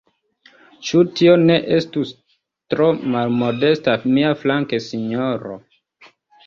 Ĉu tio ne estus tro malmodesta miaflanke, sinjoro?